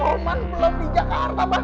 roman belum di jakarta mbak